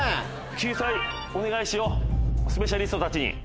救済お願いしようスペシャリストたちに。